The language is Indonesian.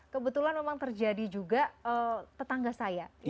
kebetulan memang terjadi juga tetangga saya